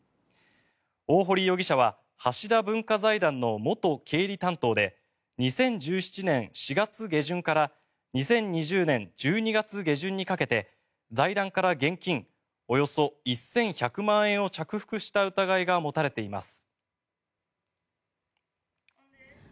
大堀容疑者は橋田文化財団の元経理担当で２０１７年４月下旬から２０２０年１２月下旬にかけて財団から現金およそ１１００万円を着服した疑いが持たれています。